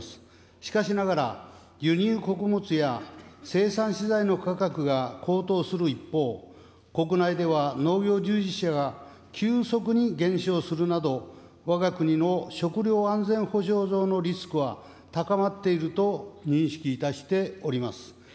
しかしながら、輸入穀物や、生産資材の価格が高騰する一方、国内では農業従事者が急速に減少するなど、わが国の食料安全保障上のリスクは高まっていると認識いたしております。